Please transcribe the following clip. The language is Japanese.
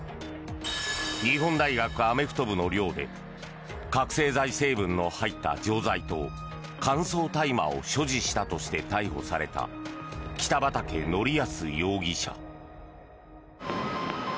日本大学アメフト部の寮で覚醒剤成分の入った錠剤と乾燥大麻を所持したとして逮捕された北畠成文容疑者。